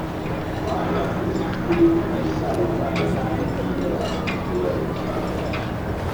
Luttwak is frequently cited by Italian media on political subjects.